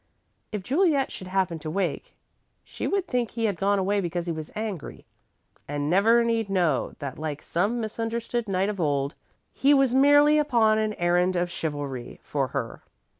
If Juliet should happen to wake, she would think he had gone away because he was angry, and never need know that like some misunderstood knight of old, he was merely upon an errand of chivalry for her.